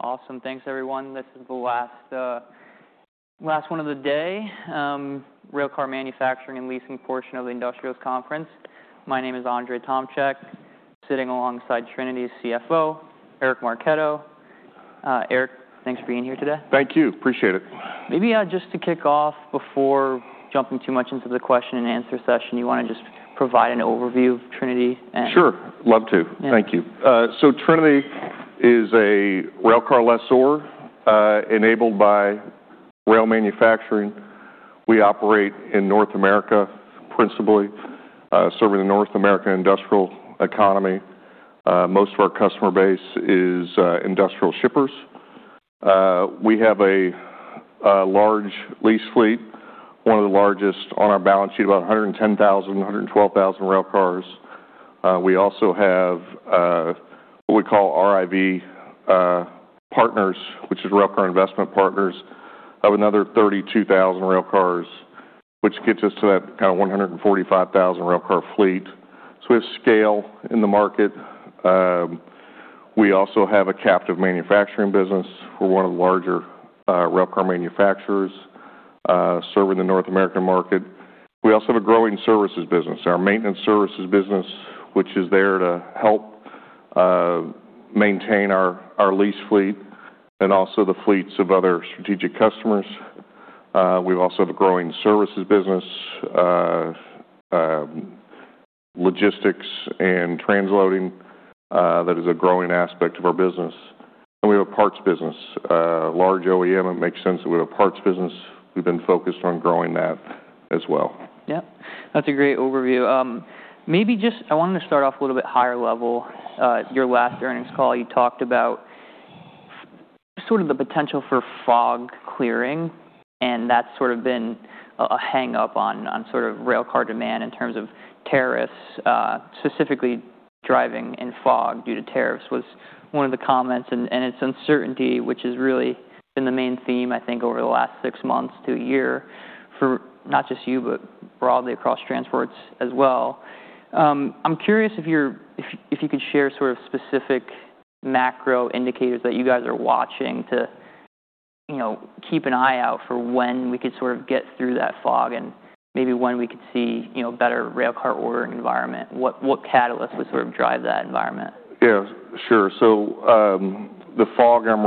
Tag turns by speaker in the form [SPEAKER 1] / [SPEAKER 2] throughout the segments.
[SPEAKER 1] All right. Awesome. Thanks, everyone. This is the last one of the day: Railcar Manufacturing and Leasing portion of the Stephens Annual Investment Conference. My name is Andrzej Tomczyk, sitting alongside Trinity's CFO, Eric Marchetto. Eric, thanks for being here today.
[SPEAKER 2] Thank you. Appreciate it.
[SPEAKER 1] Maybe just to kick off, before jumping too much into the question-and-answer session, you want to just provide an overview of Trinity and.
[SPEAKER 2] Sure. Love to. Thank you. So Trinity is a railcar lessor, enabled by rail manufacturing. We operate in North America principally, serving the North American industrial economy. Most of our customer base is industrial shippers. We have a large lease fleet, one of the largest on our balance sheet, about 110,000, 112,000 railcars. We also have what we call RIV partners, which is Railcar Investment Vehicles, of another 32,000 railcars, which gets us to that kind of 145,000 railcar fleet. So we have scale in the market. We also have a captive manufacturing business. We're one of the larger railcar manufacturers serving the North American market. We also have a growing services business, our maintenance services business, which is there to help maintain our lease fleet and also the fleets of other strategic customers. We also have a growing services business, logistics and transloading. That is a growing aspect of our business. And we have a parts business, large OEM. It makes sense that we have a parts business. We've been focused on growing that as well.
[SPEAKER 1] Yep. That's a great overview. Maybe just I wanted to start off a little bit higher level. Your last earnings call, you talked about sort of the potential for fog clearing, and that's sort of been a hang-up on sort of railcar demand in terms of tariffs, specifically driving in fog due to tariffs, was one of the comments, and it's uncertainty, which has really been the main theme, I think, over the last six months to a year, for not just you, but broadly across transports as well. I'm curious if you could share sort of specific macro indicators that you guys are watching to keep an eye out for when we could sort of get through that fog and maybe when we could see a better railcar ordering environment. What catalysts would sort of drive that environment? Yeah. Sure. So the fog I'm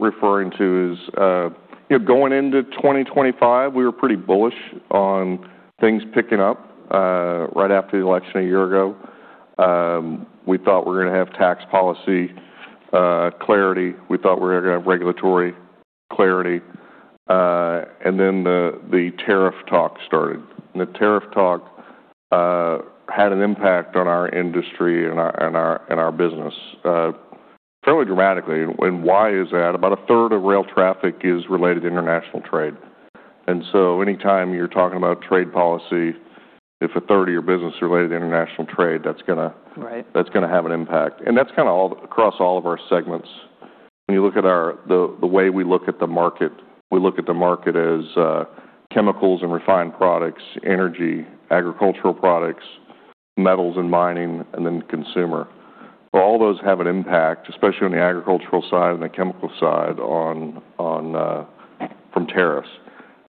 [SPEAKER 1] referring to is going into 2025. We were pretty bullish on things picking up right after the election a year ago. We thought we were going to have tax policy clarity. We thought we were going to have regulatory clarity, and then the tariff talk started, and the tariff talk had an impact on our industry and our business fairly dramatically, and why is that? About a third of rail traffic is related to international trade, and so anytime you're talking about trade policy, if a third of your business is related to international trade, that's going to have an impact, and that's kind of across all of our segments. When you look at the way we look at the market, we look at the market as chemicals and refined products, energy, agricultural products, metals and mining, and then consumer. All those have an impact, especially on the agricultural side and the chemical side from tariffs.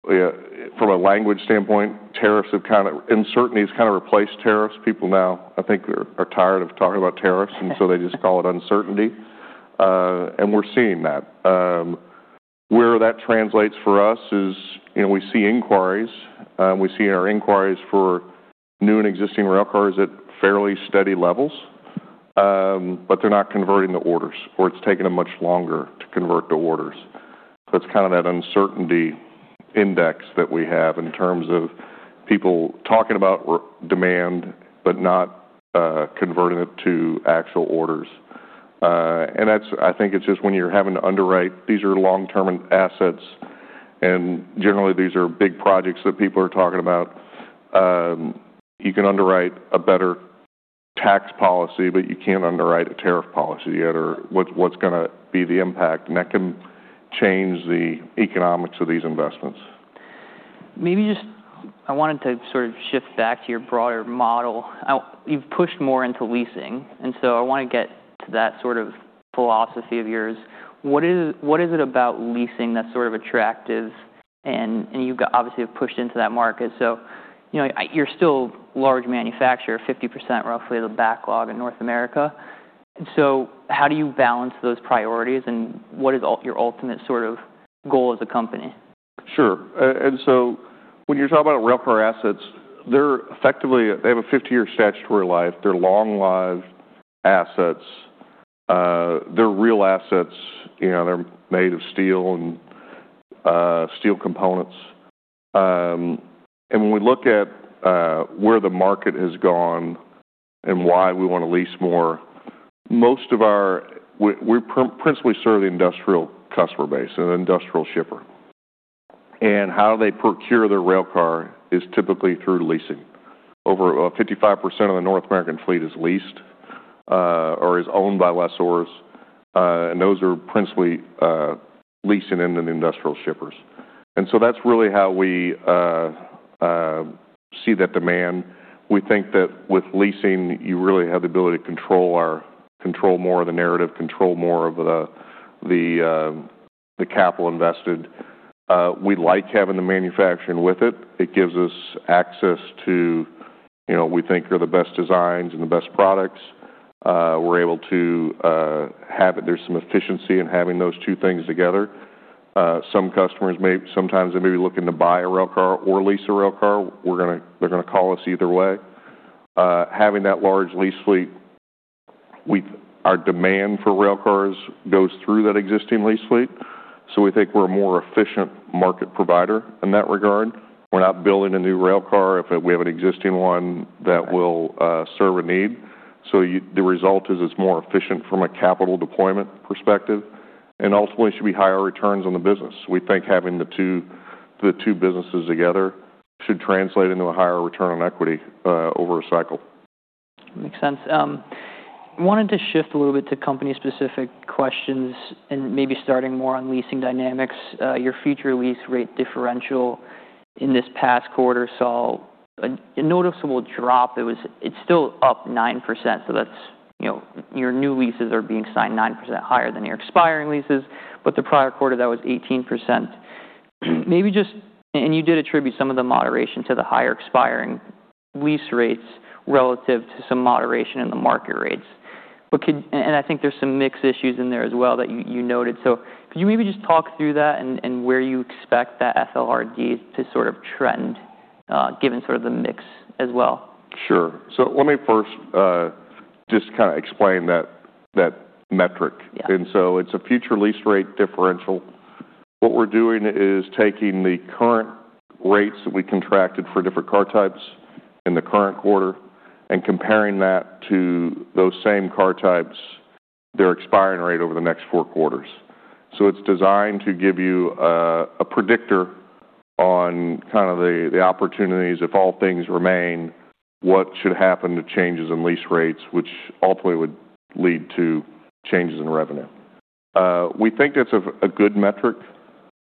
[SPEAKER 1] From a language standpoint, tariffs have kind of uncertainty has kind of replaced tariffs. People now, I think, are tired of talking about tariffs, and so they just call it uncertainty. And we're seeing that. Where that translates for us is we see inquiries. We see our inquiries for new and existing railcars at fairly steady levels, but they're not converting the orders, or it's taking them much longer to convert the orders. So it's kind of that uncertainty index that we have in terms of people talking about demand, but not converting it to actual orders. And I think it's just when you're having to underwrite these are long-term assets, and generally, these are big projects that people are talking about. You can underwrite a better tax policy, but you can't underwrite a tariff policy yet or what's going to be the impact, and that can change the economics of these investments. Maybe just I wanted to sort of shift back to your broader model. You've pushed more into leasing, and so I want to get to that sort of philosophy of yours. What is it about leasing that's sort of attractive? And you've obviously pushed into that market. So you're still a large manufacturer, 50% roughly of the backlog in North America. And so how do you balance those priorities, and what is your ultimate sort of goal as a company?
[SPEAKER 2] Sure. And so when you're talking about railcar assets, they have a 50-year statutory life. They're long-lived assets. They're real assets. They're made of steel and steel components. And when we look at where the market has gone and why we want to lease more, we principally serve the industrial customer base and the industrial shipper. And how they procure their railcar is typically through leasing. Over 55% of the North American fleet is leased or is owned by lessors, and those are principally leasing into the industrial shippers. And so that's really how we see that demand. We think that with leasing, you really have the ability to control more of the narrative, control more of the capital invested. We like having the manufacturing with it. It gives us access to what we think are the best designs and the best products. We're able to have it. There's some efficiency in having those two things together. Some customers may be looking to buy a railcar or lease a railcar. They're going to call us either way. Having that large lease fleet, our demand for railcars goes through that existing lease fleet. So we think we're a more efficient market provider in that regard. We're not building a new railcar if we have an existing one that will serve a need. So the result is it's more efficient from a capital deployment perspective. And ultimately, it should be higher returns on the business. We think having the two businesses together should translate into a higher return on equity over a cycle.
[SPEAKER 1] Makes sense. I wanted to shift a little bit to company-specific questions and maybe starting more on leasing dynamics. Your Future Lease Rate Differential in this past quarter saw a noticeable drop. It's still up 9%. So your new leases are being signed 9% higher than your expiring leases, but the prior quarter, that was 18%. And you did attribute some of the moderation to the higher expiring lease rates relative to some moderation in the market rates. And I think there's some mixed issues in there as well that you noted. So could you maybe just talk through that and where you expect that FLRD to sort of trend, given sort of the mix as well? Sure. So let me first just kind of explain that metric. And so it's a Future Lease Rate Differential. What we're doing is taking the current rates that we contracted for different car types in the current quarter and comparing that to those same car types, their expiring rate over the next four quarters. So it's designed to give you a predictor on kind of the opportunities. If all things remain, what should happen to changes in lease rates, which ultimately would lead to changes in revenue? We think it's a good metric.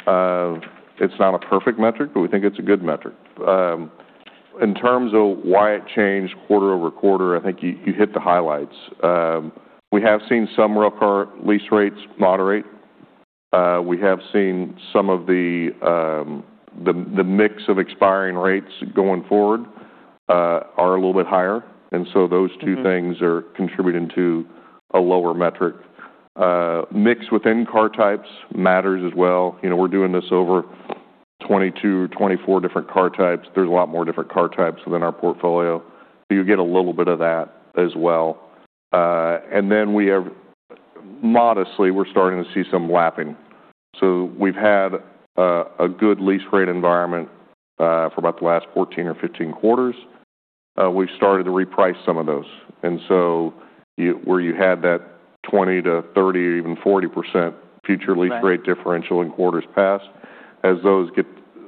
[SPEAKER 1] It's not a perfect metric, but we think it's a good metric. In terms of why it changed quarter over quarter, I think you hit the highlights. We have seen some railcar lease rates moderate. We have seen some of the mix of expiring rates going forward are a little bit higher. And so those two things are contributing to a lower metric. Mix within car types matters as well. We're doing this over 22-24 different car types. There's a lot more different car types within our portfolio. So you get a little bit of that as well. And then modestly, we're starting to see some lapping. So we've had a good lease rate environment for about the last 14 or 15 quarters. We've started to reprice some of those. And so where you had that 20%-30%, even 40% Future Lease Rate Differential in quarters past, as those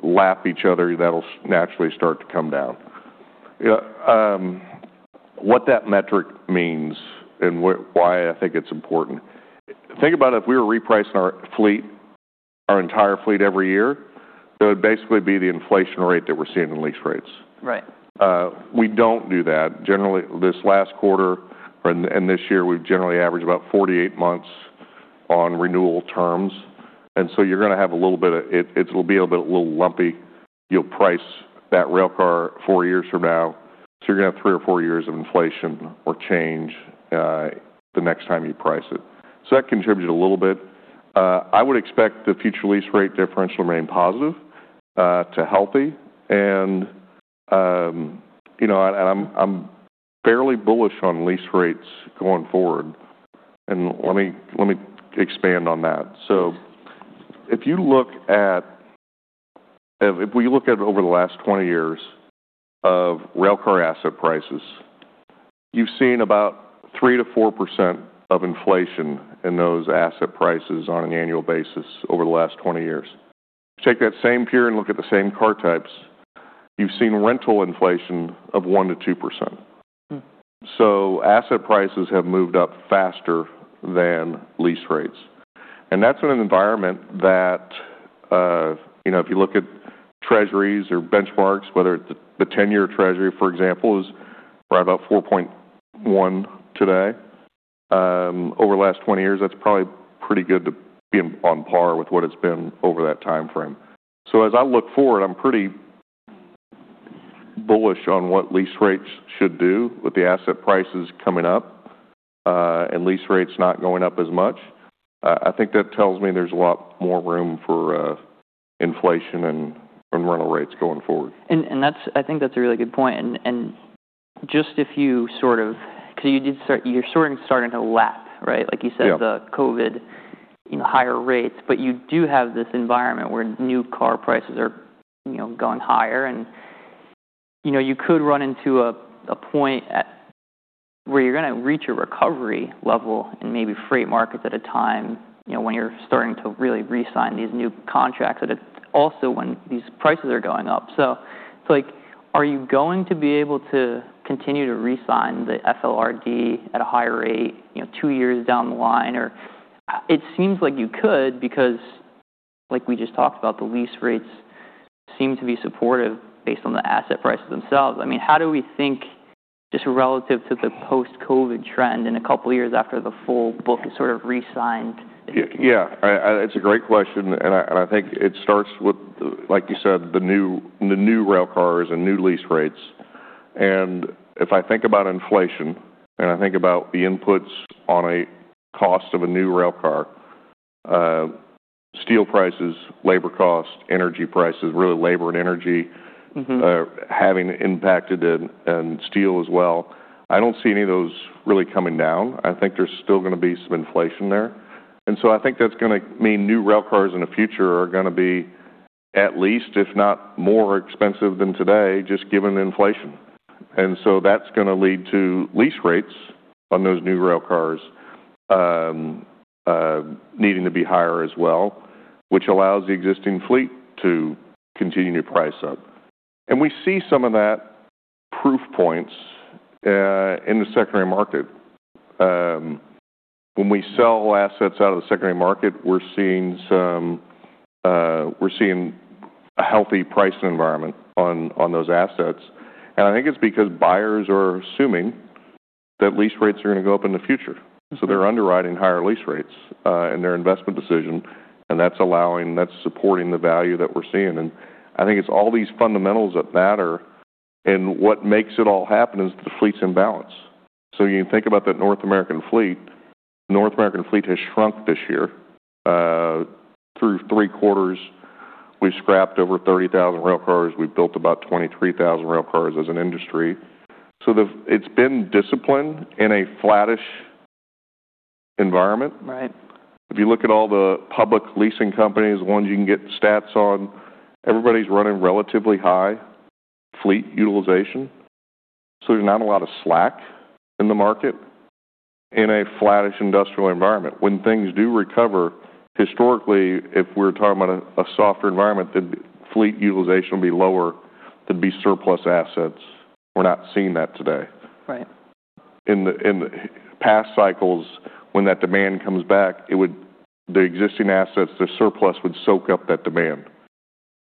[SPEAKER 1] lap each other, that'll naturally start to come down. What that metric means and why I think it's important. Think about it. If we were repricing our fleet, our entire fleet every year, it would basically be the inflation rate that we're seeing in lease rates. We don't do that. Generally, this last quarter and this year, we've generally averaged about 48 months on renewal terms. And so you're going to have a little bit of it'll be a little bit lumpy. You'll price that railcar four years from now. So you're going to have three or four years of inflation or change the next time you price it. So that contributes a little bit. I would expect the Future Lease Rate Differential to remain positive to healthy. And I'm fairly bullish on lease rates going forward. And let me expand on that. So if we look at over the last 20 years of railcar asset prices, you've seen about 3%-4% of inflation in those asset prices on an annual basis over the last 20 years. Take that same period and look at the same car types. You've seen rental inflation of 1%-2%. So asset prices have moved up faster than lease rates. And that's in an environment that, if you look at Treasuries or benchmarks, whether it's the 10-year Treasury, for example, is right about 4.1% today. Over the last 20 years, that's probably pretty good to be on par with what it's been over that time frame. So as I look forward, I'm pretty bullish on what lease rates should do with the asset prices coming up and lease rates not going up as much. I think that tells me there's a lot more room for inflation and rental rates going forward. And I think that's a really good point. And just if you sort of because you're sort of starting to lap, right? Like you said, the COVID higher rates, but you do have this environment where new car prices are going higher. And you could run into a point where you're going to reach a recovery level in maybe freight markets at a time when you're starting to really re-sign these new contracts, also when these prices are going up. So are you going to be able to continue to re-sign the FLRD at a higher rate two years down the line? Or it seems like you could because, like we just talked about, the lease rates seem to be supportive based on the asset prices themselves. I mean, how do we think just relative to the post-COVID trend in a couple of years after the full book is sort of re-signed?
[SPEAKER 2] Yeah. It's a great question. And I think it starts with, like you said, the new railcars and new lease rates. And if I think about inflation and I think about the inputs on a cost of a new railcar, steel prices, labor costs, energy prices, really labor and energy having impacted and steel as well. I don't see any of those really coming down. I think there's still going to be some inflation there. And so I think that's going to mean new railcars in the future are going to be at least, if not more expensive than today, just given inflation. And so that's going to lead to lease rates on those new railcars needing to be higher as well, which allows the existing fleet to continue to price up. And we see some of that proof points in the secondary market. When we sell assets out of the secondary market, we're seeing a healthy pricing environment on those assets. And I think it's because buyers are assuming that lease rates are going to go up in the future. So they're underwriting higher lease rates in their investment decision, and that's supporting the value that we're seeing. And I think it's all these fundamentals that matter. And what makes it all happen is the fleet's imbalance. So you think about that North American fleet. North American fleet has shrunk this year through three quarters. We've scrapped over 30,000 railcars. We've built about 23,000 railcars as an industry. So it's been disciplined in a flattish environment. If you look at all the public leasing companies, the ones you can get stats on, everybody's running relatively high fleet utilization. So there's not a lot of slack in the market in a flattish industrial environment. When things do recover, historically, if we're talking about a softer environment, then fleet utilization will be lower. There'd be surplus assets. We're not seeing that today. In the past cycles, when that demand comes back, the existing assets, the surplus would soak up that demand. You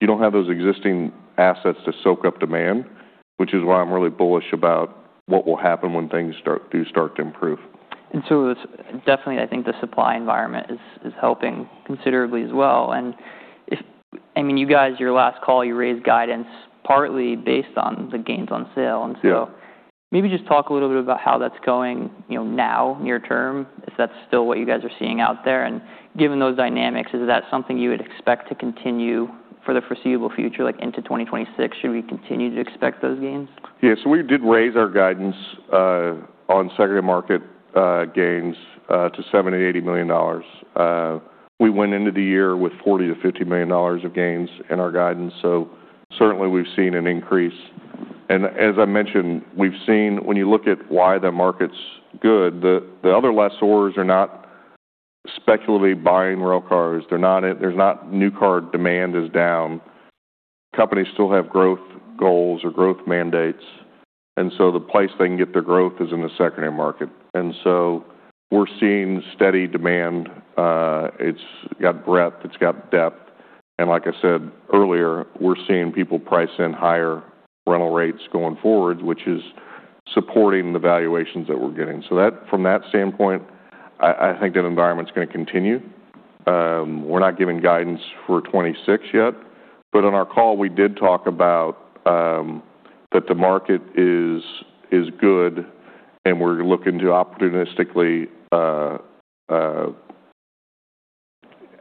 [SPEAKER 2] don't have those existing assets to soak up demand, which is why I'm really bullish about what will happen when things do start to improve.
[SPEAKER 1] And so definitely, I think the supply environment is helping considerably as well. And I mean, you guys, your last call, you raised guidance partly based on the gains on sale. And so maybe just talk a little bit about how that's going now, near term, if that's still what you guys are seeing out there. And given those dynamics, is that something you would expect to continue for the foreseeable future, like into 2026? Should we continue to expect those gains?
[SPEAKER 2] Yeah, so we did raise our guidance on secondary market gains to $70-$80 million. We went into the year with $40-$50 million of gains in our guidance. So certainly, we've seen an increase. And as I mentioned, when you look at why the market's good, the other lessors are not speculatively buying railcars. There's not. New car demand is down. Companies still have growth goals or growth mandates. And so the place they can get their growth is in the secondary market. And so we're seeing steady demand. It's got breadth. It's got depth. And like I said earlier, we're seeing people price in higher rental rates going forward, which is supporting the valuations that we're getting. So from that standpoint, I think that environment's going to continue. We're not giving guidance for 2026 yet. But on our call, we did talk about that the market is good, and we're looking to opportunistically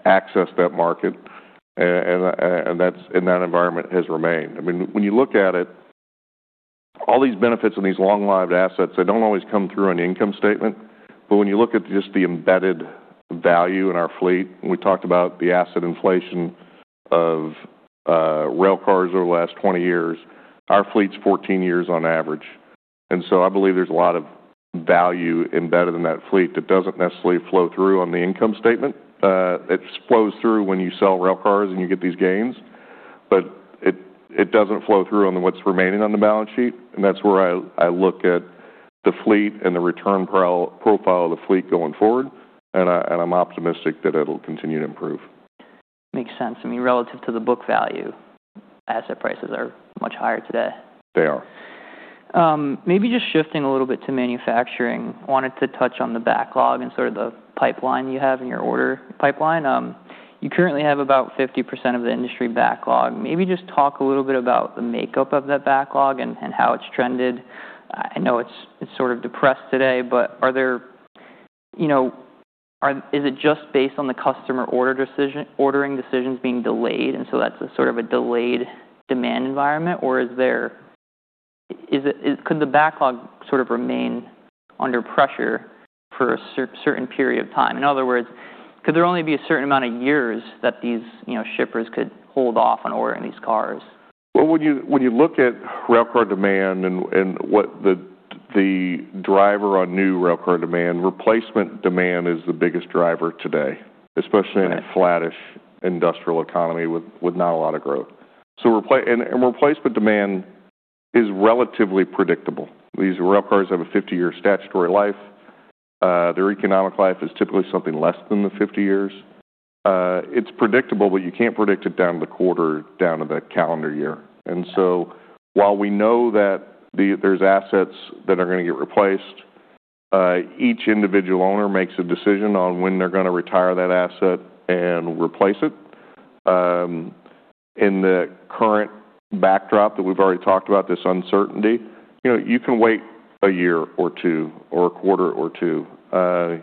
[SPEAKER 2] access that market. And that environment has remained. I mean, when you look at it, all these benefits in these long-lived assets, they don't always come through on the income statement. But when you look at just the embedded value in our fleet, we talked about the asset inflation of railcars over the last 20 years. Our fleet's 14 years on average. And so I believe there's a lot of value embedded in that fleet that doesn't necessarily flow through on the income statement. It flows through when you sell railcars and you get these gains, but it doesn't flow through on what's remaining on the balance sheet. And that's where I look at the fleet and the return profile of the fleet going forward. I'm optimistic that it'll continue to improve.
[SPEAKER 1] Makes sense. I mean, relative to the book value, asset prices are much higher today.
[SPEAKER 2] They are.
[SPEAKER 1] Maybe just shifting a little bit to manufacturing, I wanted to touch on the backlog and sort of the pipeline you have in your order pipeline. You currently have about 50% of the industry backlog. Maybe just talk a little bit about the makeup of that backlog and how it's trended. I know it's sort of depressed today, but is it just based on the customer ordering decisions being delayed? And so that's sort of a delayed demand environment, or could the backlog sort of remain under pressure for a certain period of time? In other words, could there only be a certain amount of years that these shippers could hold off on ordering these cars?
[SPEAKER 2] When you look at railcar demand and what the driver on new railcar demand, replacement demand is the biggest driver today, especially in a flattish industrial economy with not a lot of growth. And replacement demand is relatively predictable. These railcars have a 50-year statutory life. Their economic life is typically something less than the 50 years. It's predictable, but you can't predict it down to the quarter, down to the calendar year. And so while we know that there's assets that are going to get replaced, each individual owner makes a decision on when they're going to retire that asset and replace it. In the current backdrop that we've already talked about, this uncertainty, you can wait a year or two or a quarter or two.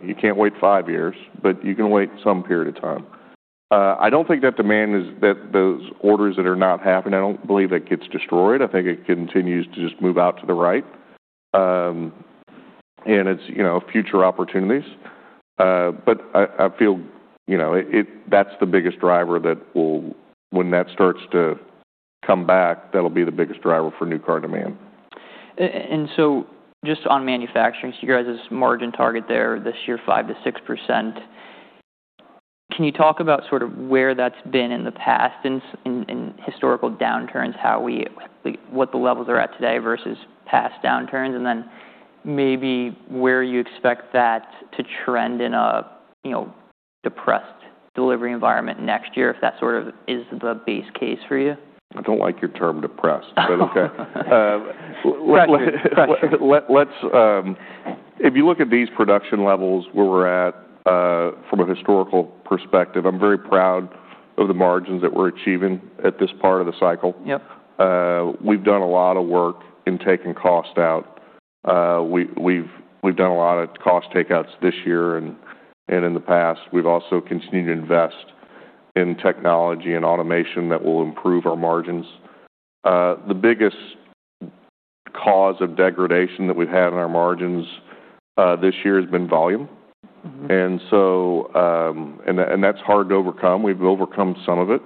[SPEAKER 2] You can't wait five years, but you can wait some period of time. I don't think that demand is that those orders that are not happening. I don't believe that gets destroyed. I think it continues to just move out to the right, and it's future opportunities, but I feel that's the biggest driver that will, when that starts to come back, that'll be the biggest driver for new car demand. Just on manufacturing, so you guys' margin target there this year, 5%-6%. Can you talk about sort of where that's been in the past in historical downturns, what the levels are at today versus past downturns, and then maybe where you expect that to trend in a depressed delivery environment next year if that sort of is the base case for you?
[SPEAKER 1] I don't like your term depressed, but okay. If you look at these production levels where we're at from a historical perspective, I'm very proud of the margins that we're achieving at this part of the cycle. We've done a lot of work in taking cost out. We've done a lot of cost takeouts this year and in the past. We've also continued to invest in technology and automation that will improve our margins. The biggest cause of degradation that we've had in our margins this year has been volume. And that's hard to overcome. We've overcome some of it.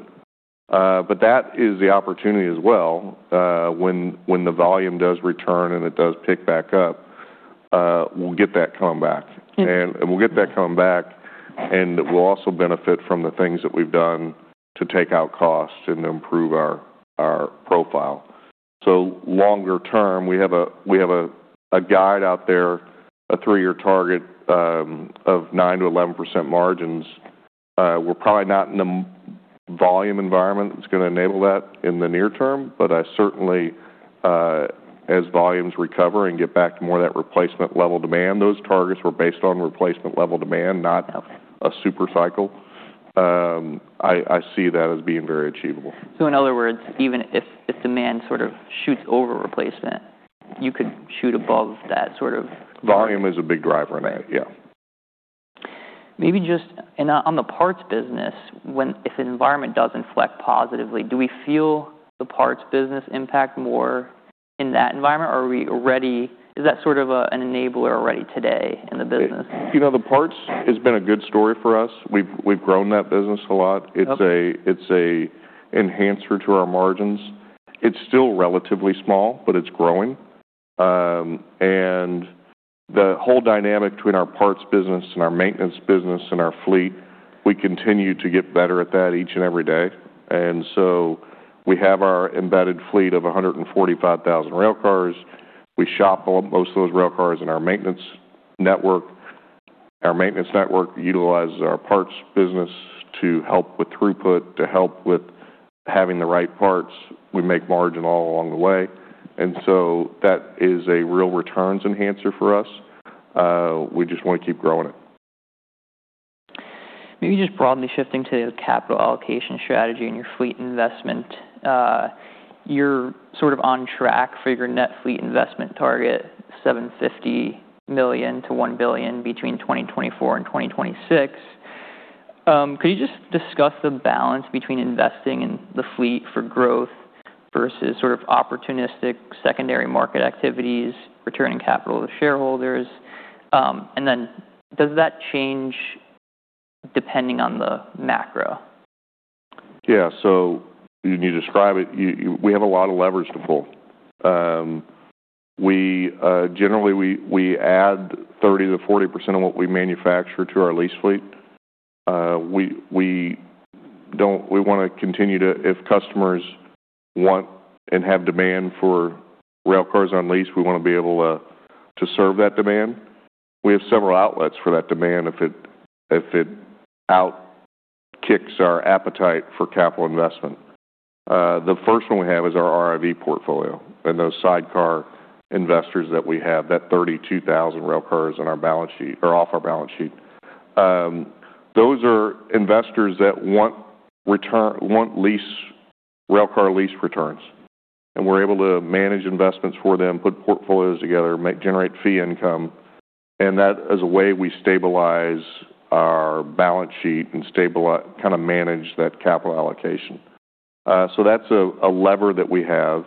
[SPEAKER 1] But that is the opportunity as well. When the volume does return and it does pick back up, we'll get that coming back. And we'll get that coming back, and we'll also benefit from the things that we've done to take out costs and improve our profile. So longer term, we have a guide out there, a three-year target of 9%-11% margins. We're probably not in the volume environment that's going to enable that in the near term, but certainly, as volumes recover and get back to more of that replacement level demand, those targets were based on replacement level demand, not a super cycle. I see that as being very achievable. So, in other words, even if demand sort of shoots over replacement, you could shoot above that sort of.
[SPEAKER 2] Volume is a big driver in that, yeah.
[SPEAKER 1] Maybe just on the parts business, if an environment does inflect positively, do we feel the parts business impact more in that environment, or is that sort of an enabler already today in the business?
[SPEAKER 2] The parts have been a good story for us. We've grown that business a lot. It's an enhancer to our margins. It's still relatively small, but it's growing. And the whole dynamic between our parts business and our maintenance business and our fleet, we continue to get better at that each and every day. And so we have our embedded fleet of 145,000 railcars. We shop most of those railcars in our maintenance network. Our maintenance network utilizes our parts business to help with throughput, to help with having the right parts. We make margin all along the way. And so that is a real returns enhancer for us. We just want to keep growing it.
[SPEAKER 1] Maybe just broadly shifting to the capital allocation strategy and your fleet investment, you're sort of on track for your net fleet investment target, $750 million-$1 billion between 2024 and 2026. Could you just discuss the balance between investing in the fleet for growth versus sort of opportunistic secondary market activities, returning capital to shareholders? And then does that change depending on the macro?
[SPEAKER 2] Yeah, so you describe it. We have a lot of levers to pull. Generally, we add 30%-40% of what we manufacture to our lease fleet. We want to continue to, if customers want and have demand for railcars on lease, we want to be able to serve that demand. We have several outlets for that demand if it outkicks our appetite for capital investment. The first one we have is our RIV portfolio and those sidecar investors that we have, that 32,000 railcars on our balance sheet or off our balance sheet. Those are investors that want railcar lease returns, and we're able to manage investments for them, put portfolios together, generate fee income. And that is a way we stabilize our balance sheet and kind of manage that capital allocation, so that's a lever that we have.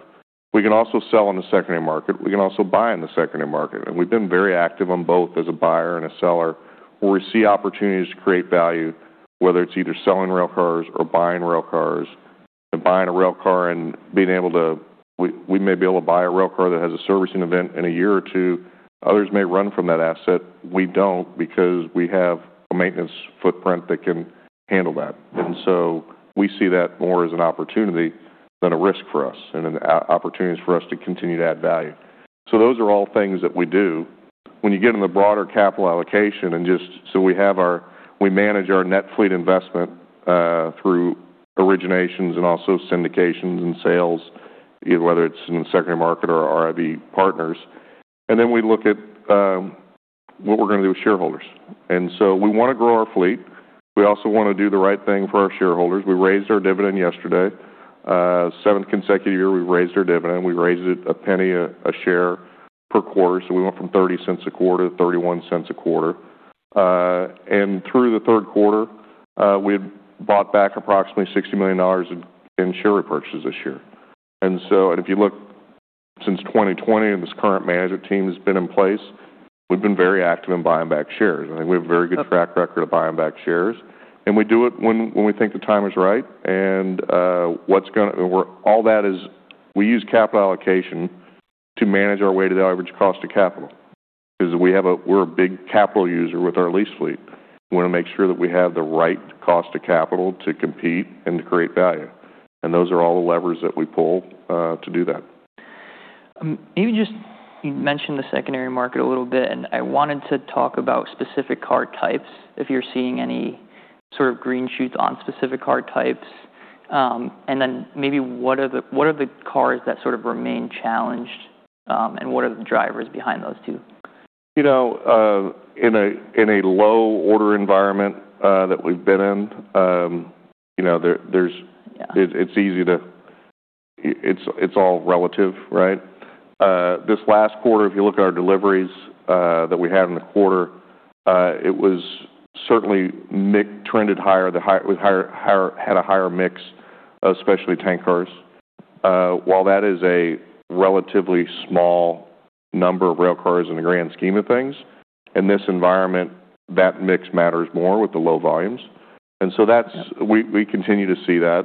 [SPEAKER 2] We can also sell in the secondary market. We can also buy in the secondary market, and we've been very active on both as a buyer and a seller where we see opportunities to create value, whether it's either selling railcars or buying railcars, and buying a railcar and being able to, we may be able to buy a railcar that has a servicing event in a year or two. Others may run from that asset. We don't because we have a maintenance footprint that can handle that, and so we see that more as an opportunity than a risk for us and an opportunity for us to continue to add value, so those are all things that we do. When you get into the broader capital allocation, so we manage our net fleet investment through originations and also syndications and sales, whether it's in the secondary market or RIV partners. And then we look at what we're going to do with shareholders. And so we want to grow our fleet. We also want to do the right thing for our shareholders. We raised our dividend yesterday. Seventh consecutive year, we've raised our dividend. We raised it $0.01 a share per quarter. So we went from $0.30 a quarter to $0.31 a quarter. And through the third quarter, we bought back approximately $60 million in share repurchases this year. And if you look since 2020, this current management team has been in place. We've been very active in buying back shares. I think we have a very good track record of buying back shares. And we do it when we think the time is right. All that is, we use capital allocation to manage our way to the average cost of capital because we're a big capital user with our lease fleet. We want to make sure that we have the right cost of capital to compete and to create value. Those are all the levers that we pull to do that.
[SPEAKER 1] Maybe just you mentioned the secondary market a little bit, and I wanted to talk about specific car types, if you're seeing any sort of green shoots on specific car types, and then maybe what are the cars that sort of remain challenged, and what are the drivers behind those two?
[SPEAKER 2] In a low order environment that we've been in, it's all relative, right? This last quarter, if you look at our deliveries that we had in the quarter, it was certainly trended higher with had a higher mix, especially tank cars. While that is a relatively small number of railcars in the grand scheme of things, in this environment, that mix matters more with the low volumes, and so we continue to see that.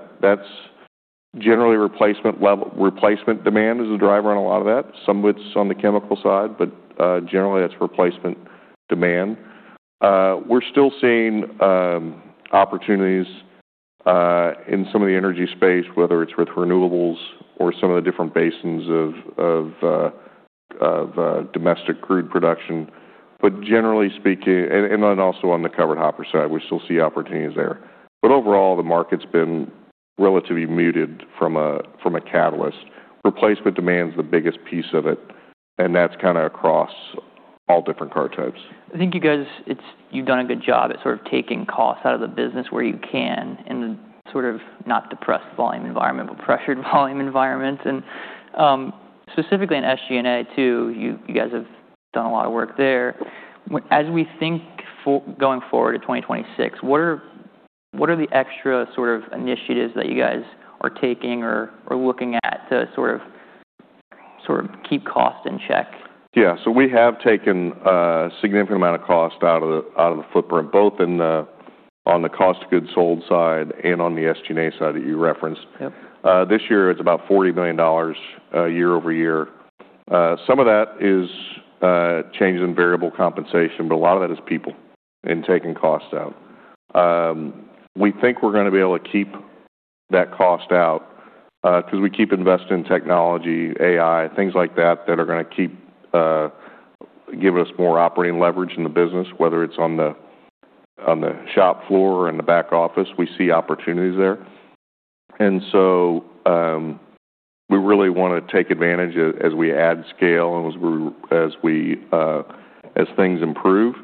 [SPEAKER 2] Generally, replacement demand is the driver on a lot of that. Some of it's on the chemical side, but generally, that's replacement demand. We're still seeing opportunities in some of the energy space, whether it's with renewables or some of the different basins of domestic crude production. Generally speaking, and then also on the covered hopper side, we still see opportunities there. Overall, the market's been relatively muted from a catalyst. Replacement demand's the biggest piece of it, and that's kind of across all different car types.
[SPEAKER 1] I think you guys have done a good job at sort of taking costs out of the business where you can in the sort of not depressed volume environment, but pressured volume environments, and specifically in SG&A too, you guys have done a lot of work there. As we think going forward to 2026, what are the extra sort of initiatives that you guys are taking or looking at to sort of keep cost in check?
[SPEAKER 2] Yeah. So we have taken a significant amount of cost out of the footprint, both on the cost of goods sold side and on the SG&A side that you referenced. This year, it's about $40 million year over year. Some of that is changes in variable compensation, but a lot of that is people and taking costs out. We think we're going to be able to keep that cost out because we keep investing in technology, AI, things like that that are going to keep giving us more operating leverage in the business, whether it's on the shop floor or in the back office. We see opportunities there. And so we really want to take advantage as we add scale and as things improve,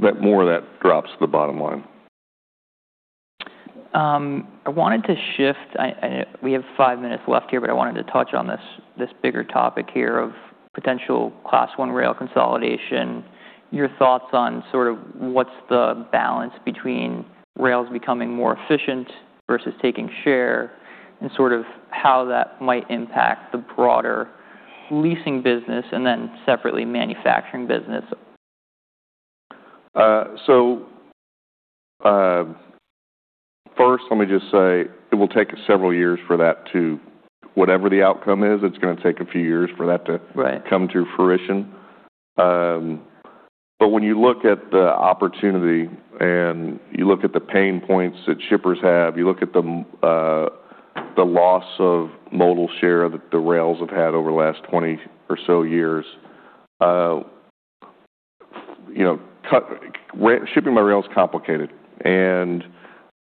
[SPEAKER 2] that more of that drops to the bottom line.
[SPEAKER 1] I wanted to shift. We have five minutes left here, but I wanted to touch on this bigger topic here of potential Class I railroad consolidation. Your thoughts on sort of what's the balance between rails becoming more efficient versus taking share and sort of how that might impact the broader leasing business and then separately manufacturing business?
[SPEAKER 2] So first, let me just say it will take several years for that to whatever the outcome is. It's going to take a few years for that to come to fruition. But when you look at the opportunity and you look at the pain points that shippers have, you look at the loss of modal share that the rails have had over the last 20 or so years. Shipping by rail is complicated. And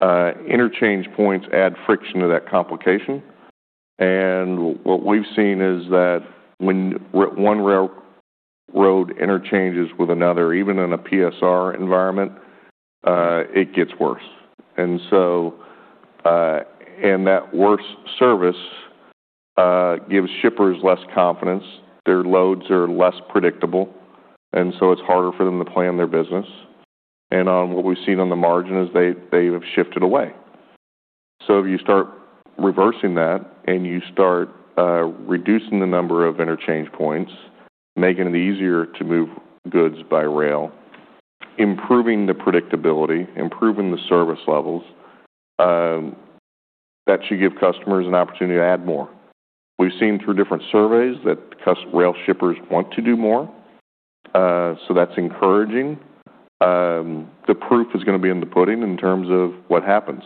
[SPEAKER 2] interchange points add friction to that complication. And what we've seen is that when one railroad interchanges with another, even in a PSR environment, it gets worse. And that worse service gives shippers less confidence. Their loads are less predictable, and so it's harder for them to plan their business. And what we've seen on the margin is they have shifted away. So if you start reversing that and you start reducing the number of interchange points, making it easier to move goods by rail, improving the predictability, improving the service levels, that should give customers an opportunity to add more. We've seen through different surveys that rail shippers want to do more. So that's encouraging. The proof is going to be in the pudding in terms of what happens.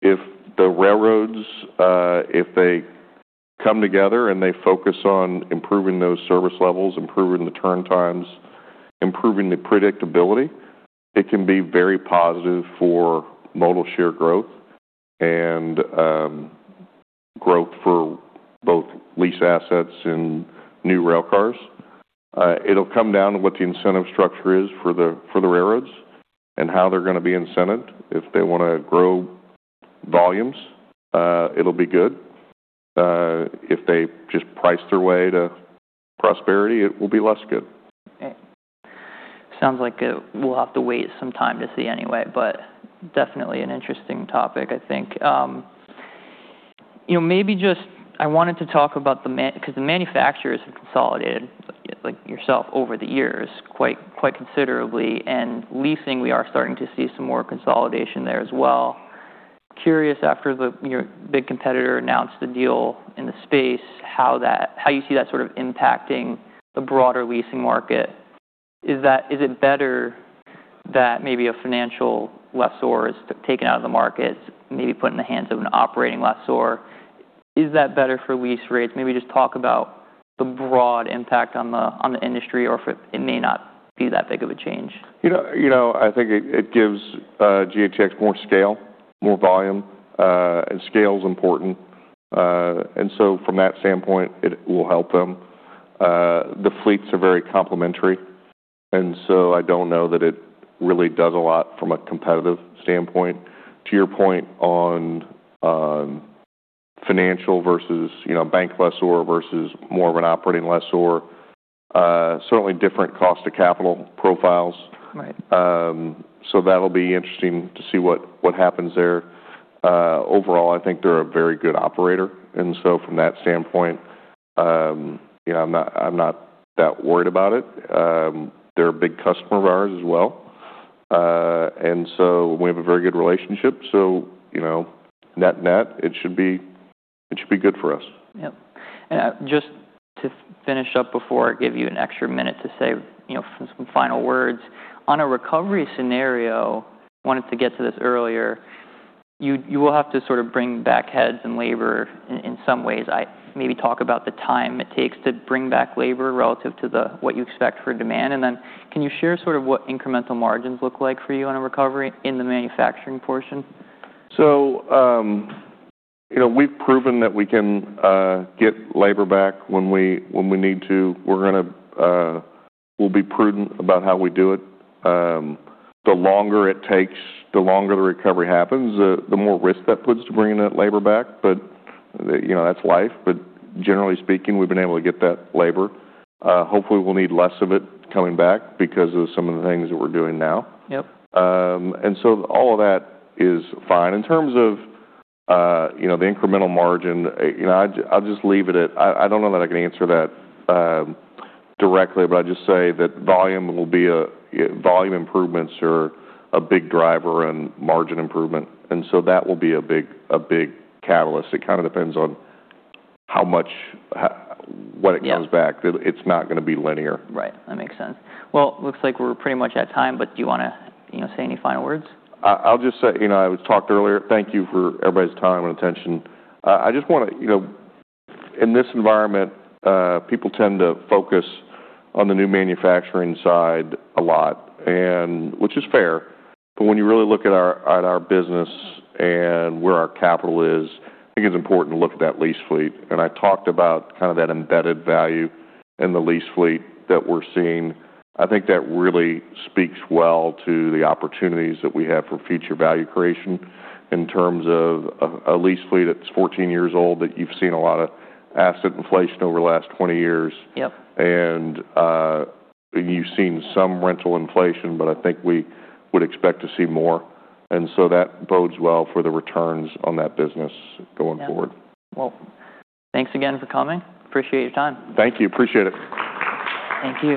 [SPEAKER 2] If the railroads, if they come together and they focus on improving those service levels, improving the turn times, improving the predictability, it can be very positive for modal share growth and growth for both lease assets and new railcars. It'll come down to what the incentive structure is for the railroads and how they're going to be incented. If they want to grow volumes, it'll be good. If they just price their way to prosperity, it will be less good.
[SPEAKER 1] Okay. Sounds like we'll have to wait some time to see anyway, but definitely an interesting topic, I think. Maybe just I wanted to talk about the because the manufacturers have consolidated yourself over the years quite considerably, and leasing, we are starting to see some more consolidation there as well. Curious, after the big competitor announced the deal in the space, how you see that sort of impacting the broader leasing market. Is it better that maybe a financial lessor is taken out of the market, maybe put in the hands of an operating lessor? Is that better for lease rates? Maybe just talk about the broad impact on the industry or if it may not be that big of a change.
[SPEAKER 2] I think it gives GATX more scale, more volume, and scale is important. And so from that standpoint, it will help them. The fleets are very complementary. And so I don't know that it really does a lot from a competitive standpoint. To your point on financial versus bank lessor versus more of an operating lessor, certainly different cost of capital profiles. So that'll be interesting to see what happens there. Overall, I think they're a very good operator. And so from that standpoint, I'm not that worried about it. They're a big customer of ours as well. And so we have a very good relationship. So net net, it should be good for us.
[SPEAKER 1] Yep. And just to finish up before I give you an extra minute to say some final words, on a recovery scenario, wanted to get to this earlier, you will have to sort of bring back heads and labor in some ways. Maybe talk about the time it takes to bring back labor relative to what you expect for demand. And then can you share sort of what incremental margins look like for you on a recovery in the manufacturing portion?
[SPEAKER 2] So we've proven that we can get labor back when we need to. We'll be prudent about how we do it. The longer it takes, the longer the recovery happens, the more risk that puts to bringing that labor back. But that's life. But generally speaking, we've been able to get that labor. Hopefully, we'll need less of it coming back because of some of the things that we're doing now. And so all of that is fine. In terms of the incremental margin, I'll just leave it at I don't know that I can answer that directly, but I'll just say that volume improvements are a big driver and margin improvement. And so that will be a big catalyst. It kind of depends on what it comes back. It's not going to be linear.
[SPEAKER 1] Right. That makes sense. Well, it looks like we're pretty much at time, but do you want to say any final words?
[SPEAKER 2] I'll just say I talked earlier. Thank you for everybody's time and attention. I just want to, in this environment, people tend to focus on the new manufacturing side a lot, which is fair. But when you really look at our business and where our capital is, I think it's important to look at that lease fleet. I talked about kind of that embedded value in the lease fleet that we're seeing. I think that really speaks well to the opportunities that we have for future value creation in terms of a lease fleet that's 14 years old that you've seen a lot of asset inflation over the last 20 years. You've seen some rental inflation, but I think we would expect to see more. That bodes well for the returns on that business going forward.
[SPEAKER 1] Yeah. Well, thanks again for coming. Appreciate your time.
[SPEAKER 2] Thank you. Appreciate it.
[SPEAKER 1] Thank you.